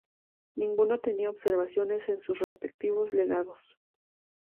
Ninguno tenía observaciones en sus respectivos legajos.